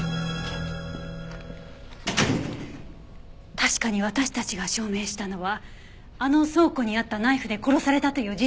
確かに私たちが証明したのはあの倉庫にあったナイフで殺されたという事実だけ。